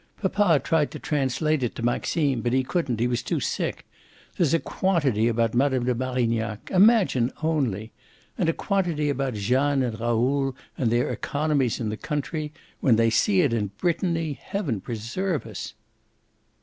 Papa tried to translate it to Maxime, but he couldn't, he was too sick. There's a quantity about Mme. de Marignac imagine only! And a quantity about Jeanne and Raoul and their economies in the country. When they see it in Brittany heaven preserve us!"